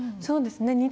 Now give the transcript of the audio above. そうですね。